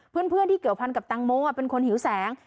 เพื่อนที่เกี่ยวพันกับตังโมเป็นคนหิวแสง